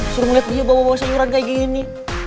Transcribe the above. suruh melihat dia bawa bawa sayuran kayak gini